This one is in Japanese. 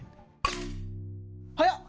早っ！